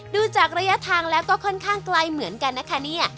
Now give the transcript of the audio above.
ดูจากระยะทางแล้วก็ค่อนข้างไกลเหมือนกันนะคะเนี่ย